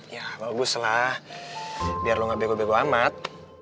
ya bagus lah biar lo gak bego bego amat